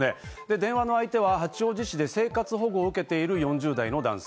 電話の相手は八王子市で生活保護を受けている４０代の男性。